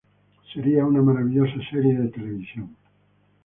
Sería una maravillosa serie de televisión".